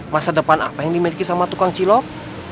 masa depan apa yang dimiliki sama tukang cilok